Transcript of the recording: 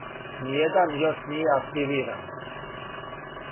Ниједан још није активиран.